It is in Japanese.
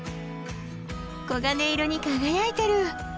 黄金色に輝いてる！